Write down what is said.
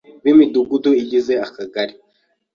b’Imidugudu igize Akagari.